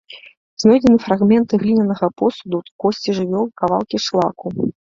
Знойдзены фрагменты глінянага посуду, косці жывёл, кавалкі шлаку.